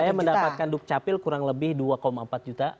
saya mendapatkan dukcapil kurang lebih dua empat juta